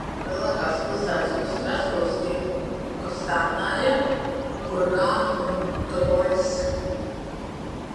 Lielākās pilsētas upes krastos ir Kostanaja, Kurgāna un Toboļska.